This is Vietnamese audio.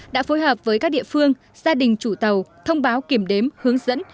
đã phối hợp với các địa phương gia đình chủ tàu thông báo kiểm đếm hướng dẫn